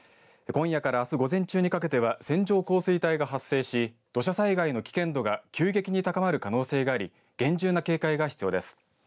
今夜からあす午前中にかけては線状降水帯が発生し土砂災害の危険度が急激に高まる可能性があり厳重な警戒が必要です。